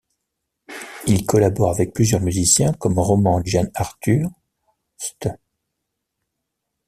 Il collabore avec plusieurs musiciens comme Roman GianArthur, St.